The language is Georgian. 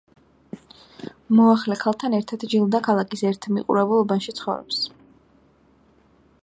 მოახლე ქალთან ერთად ჯილდა ქალაქის ერთ მიყრუებულ უბანში ცხოვრობს.